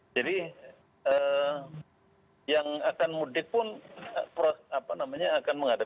jadi yang akan mudik pun akan menghadapi situasi